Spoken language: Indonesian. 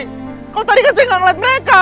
kalau tadi kan saya nggak ngeliat mereka